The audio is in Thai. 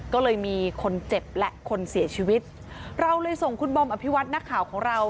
ก็เลยมีคนเจ็บและคนเสียชีวิตเราเลยส่งคุณบอมอภิวัตินักข่าวของเรา